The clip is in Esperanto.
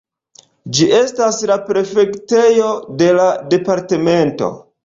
Ĝi estas la prefektejo de la departemento.